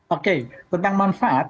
oke tentang manfaat